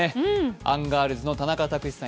アンガールズの田中卓志さん